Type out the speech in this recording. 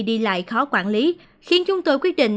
đi lại khó quản lý khiến chúng tôi quyết định